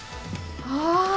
ああ！